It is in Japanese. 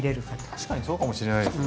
確かにそうかもしれないですよね。